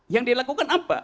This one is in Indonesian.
yang dilakukan apa